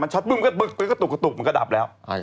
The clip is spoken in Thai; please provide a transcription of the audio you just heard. มันช็อตปึ๊บมันก็ตุ๊กมันก็ดับแล้ว